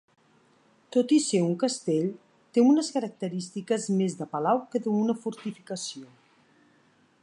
Tot i ser un castell, té unes característiques més de palau que d'una fortificació.